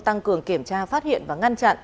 tăng cường kiểm tra phát hiện và ngăn chặn